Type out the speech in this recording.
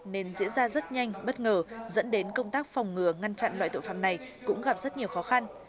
nên diễn ra rất nhanh bất ngờ dẫn đến công tác phòng ngừa ngăn chặn loại tội phạm này cũng gặp rất nhiều khó khăn